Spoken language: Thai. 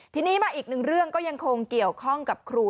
ทีนี้มาอีกหนึ่งเรื่องก็ยังคงเกี่ยวข้องกับครู